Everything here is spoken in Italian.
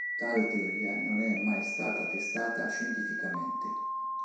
Tale teoria non è mai stata testata scientificamente.